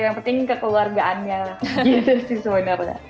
yang penting kekeluargaannya gitu sih sebenarnya